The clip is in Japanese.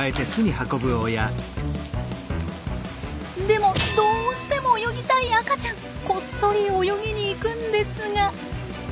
でもどうしても泳ぎたい赤ちゃんこっそり泳ぎに行くんですが。